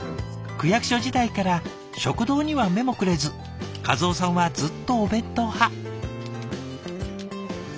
「区役所時代から食堂には目もくれず和雄さんはずっとお弁当派」。